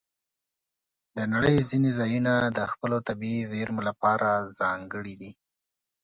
د نړۍ ځینې ځایونه د خپلو طبیعي زیرمو لپاره ځانګړي دي.